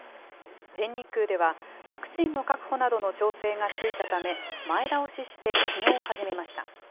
全日空では、ワクチンの確保などの調整がついたため、前倒ししてきのう始めました。